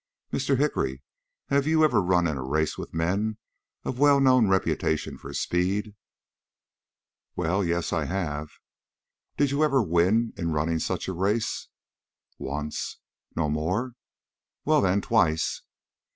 "Mr. Hickory, have you ever run in a race with men of well known reputation for speed?" "Well, yes, I have." "Did you ever win in running such a race?" "Once." "No more?" "Well, then, twice."